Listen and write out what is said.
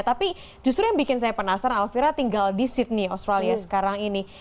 tapi justru yang bikin saya penasaran alfira tinggal di sydney australia sekarang ini